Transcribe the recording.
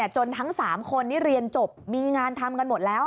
จนทั้ง๓คนนี้เรียนจบมีงานทำกันหมดแล้ว